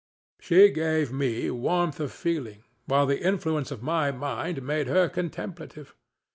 She gave me warmth of feeling, while the influence of my mind made her contemplative.